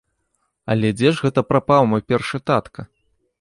Але дзе ж гэта прапаў мой першы татка?